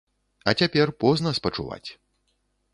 А цяпер позна спачуваць.